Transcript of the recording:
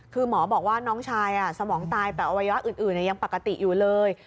คือหมอบอกว่าน้องชายสมองตายแต่อวัยวะอื่นยังปกติอยู่เลย